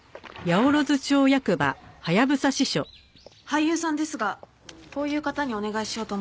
俳優さんですがこういう方にお願いしようと思っています。